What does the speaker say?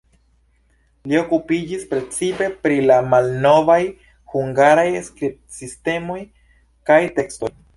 Li okupiĝis precipe pri la malnovaj hungaraj skribsistemoj kaj tekstoj.